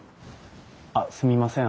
あっすみません。